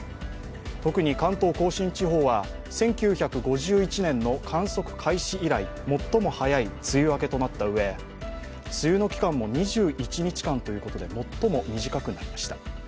特に関東甲信地方は１９５１年の観測開始以来、最も早い梅雨明けとなったうえ、梅雨の期間も２１日間ということで最も短くなりました。